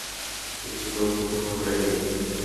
কিন্তু তোর মধ্যে কোনোটাই নেই।